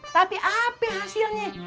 tapi apa hasilnya